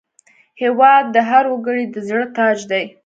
هېواد د هر وګړي د زړه تاج دی.